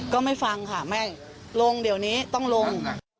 ก็ไม่ฟังค่ะไม่ลงเดี๋ยวนี้ต้องลง